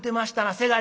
せがれ」。